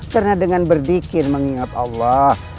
karena dengan berdikir mengingat allah